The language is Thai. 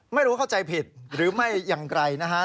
ไม่รู้เข้าใจผิดหรือไม่อย่างไกลนะฮะ